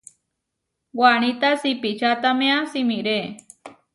Waníta siipičataméa simiré.